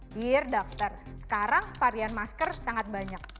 dear dokter sekarang varian masker sangat banyak